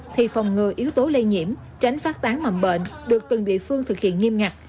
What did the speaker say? thì phòng ngừa yếu tố lây nhiễm tránh phát tán mầm bệnh được từng địa phương thực hiện nghiêm ngặt